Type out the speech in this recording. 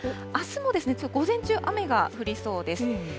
あすも午前中、雨が降りそうです。